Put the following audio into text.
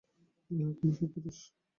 আহা, কী সুপুরুষ!